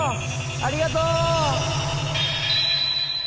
ありがとう！